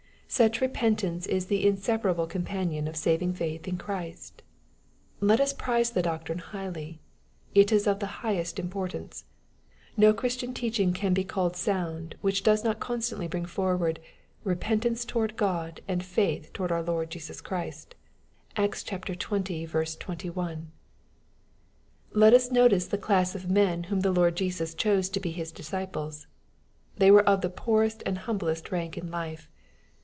Such repentance is the inseparable companion of saving faith in Christ. Let us prize the doctrine highly. It is of the highest importance. No Christian teaching can be called sound, which does not constantly bring forward '^ repentance toward Grod and fiEiith toward our Lord Jesus Christ/' (Acts xx. 21.) Let us notice the class of men whom the Lord Jesm chose to he His disciples. They were of the poorest and humblest rank in life.